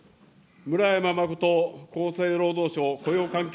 村山誠厚生労働省雇用環境